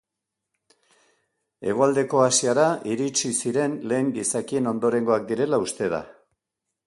Hegoaldeko Asiara iritsi ziren lehen gizakien ondorengoak direla uste da.